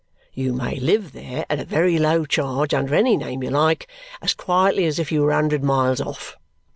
You may live there at a very low charge under any name you like, as quietly as if you were a hundred miles off.